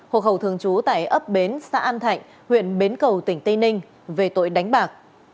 hộ khẩu thường trú tại ấp bến xã an thạnh huyện bến cầu tỉnh tây ninh về tội đánh bạc